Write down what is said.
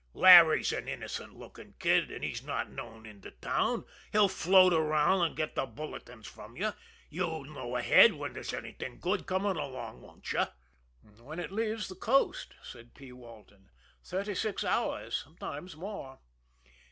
Larry's an innocent lookin' kid, an' he's not known in de town. He'll float around an' get de bulletins from you you'll know ahead when there's anything good comin' along, won't you?" "When it leaves the coast," said P. Walton. "Thirty six hours sometimes more."